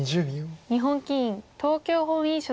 日本棋院東京本院所属。